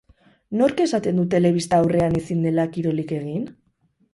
Nork esaten du telebista aurrean ezin dela kirolik egin?